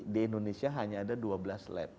di indonesia hanya ada dua belas lab